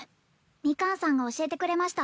ミカンさんが教えてくれました